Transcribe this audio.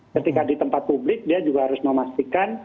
ketika di tempat publik dia juga harus memastikan